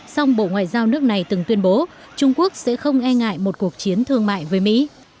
song bộ ngoại giao nước này từng tuyên bố trung quốc sẽ không e ngại một cuộc chiến thương mại với mỹ